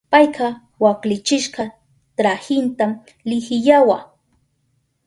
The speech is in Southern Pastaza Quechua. Payka waklichishka trahinta lihiyawa.